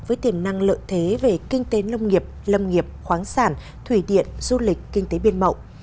với tiềm năng lợi thế về kinh tế nông nghiệp lâm nghiệp khoáng sản thủy điện du lịch kinh tế biên mậu